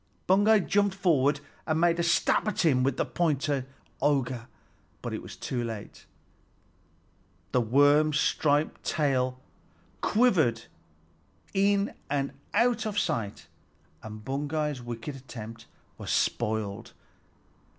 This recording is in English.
Baugi jumped forward and made a stab at him with the pointed auger, but it was too late. The worm's striped tail quivered in out of sight, and Baugi's wicked attempt was spoiled.